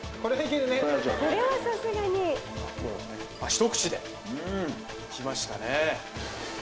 一口でいきましたね